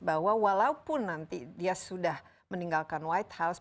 bahwa walaupun nanti dia sudah meninggalkan white house